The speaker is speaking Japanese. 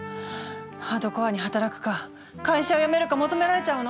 ハードコアに働くか会社を辞めるか求められちゃうの？